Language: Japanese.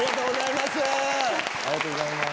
ありがとうございます！